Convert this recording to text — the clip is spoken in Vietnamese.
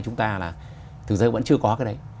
chúng ta là thực ra vẫn chưa có cái đấy